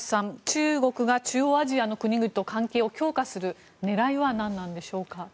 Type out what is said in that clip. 中国が中央アジアの国々と関係を強化する狙いは何なんでしょうか？